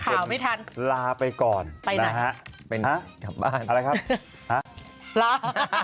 เราสามคนลาไปก่อนนะฮะไปไหนอะไรครับลา